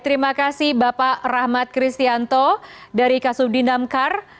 terima kasih bapak rahmat kristianto dari kasudinamkar